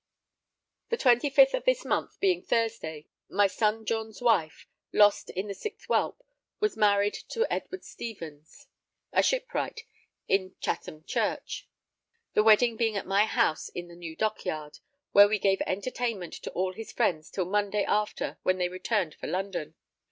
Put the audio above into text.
The 25th of this month, being Thursday, my son John's wife, lost in the sixth Whelp, was married to Edward Stevens, a shipwright, in Chatham Church, the wedding being at my house in the new dockyard, where we gave entertainment to all his friends till Monday after, when they returned for London.